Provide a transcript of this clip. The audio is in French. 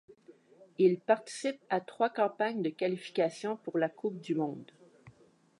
Il participe à trois campagnes de qualification pour la coupe du monde.